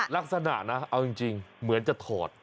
ลักษณะนะเอาจริงเหมือนจะถอด